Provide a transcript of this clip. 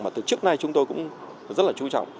mà từ trước nay chúng tôi cũng rất là chú trọng